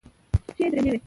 پښې یې درنې وې.